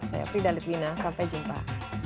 saya frida litwina sampai jumpa